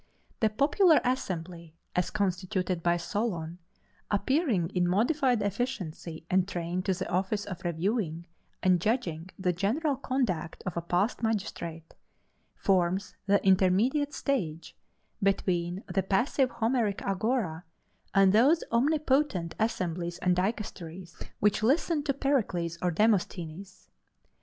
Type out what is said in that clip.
The popular assembly, as constituted by Solon, appearing in modified efficiency and trained to the office of reviewing and judging the general conduct of a past magistrate forms the intermediate stage between the passive Homeric agora and those omnipotent assemblies and dicasteries which listened to Pericles or Demosthenes.